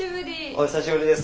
お久しぶりです。